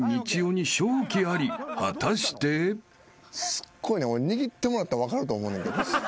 すごい握ってもらったら分かると思うねんけど。